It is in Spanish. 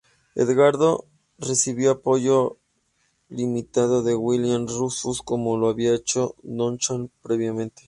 Edgardo recibió apoyo limitado de William Rufus como lo había hecho Donnchad previamente.